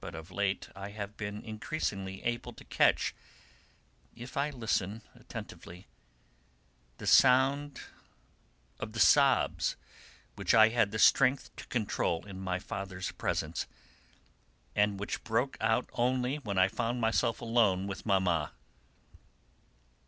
But of late I have been increasingly able to catch, if I listen attentively, the sound of the sobs which I had the strength to control in my father's presence, and which broke out only when I found myself alone with Mamma.